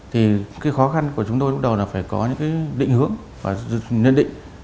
thì cái khó khăn của chúng tôi lúc đầu là phải có những cái định hướng và nhân định